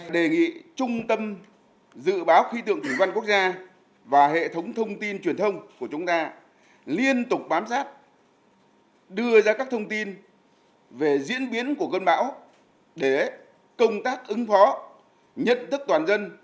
đề nghị trung tâm dự báo khí tượng thủy văn quốc gia và hệ thống thông tin truyền thông của chúng ta liên tục bám sát đưa ra các thông tin về diễn biến của cơn bão để công tác ứng phó nhận thức toàn dân